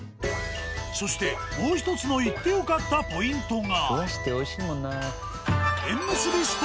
そしてもう一つの行って良かったポイントが。